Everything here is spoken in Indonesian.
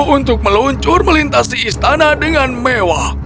untuk meluncur melintasi istana dengan mewah